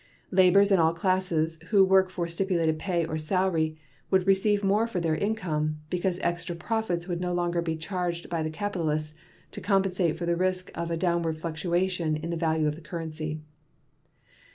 Laborers and all classes who work for stipulated pay or salary would receive more for their income, because extra profits would no longer be charged by the capitalists to compensate for the risk of a downward fluctuation in the value of the currency.